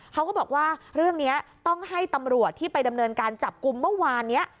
เขาก็บอกว่าเรื่องนี้ต้องให้ตำรวจที่ไปดำเนินการจับกลุ่มเมื่อวานนี้